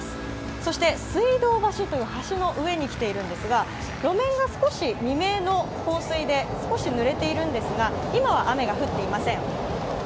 そして、水道橋という橋の上に来ているんですが、路面が少し未明の降水で濡れているんですが今は雨は降っていません。